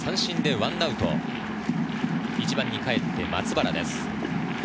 １番にかえって松原です。